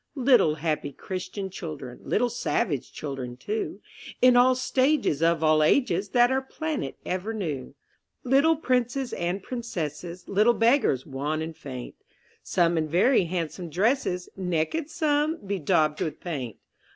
Little happy Christian children, Little savage children too, In all stages of all ages, That our planet ever knew; Little princes and princesses, Little beggars, wan and faint— Some in very handsome dresses, Naked some, bedaubed with paint.